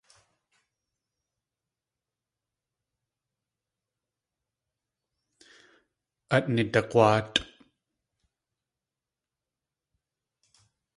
Át nidag̲wáatʼ!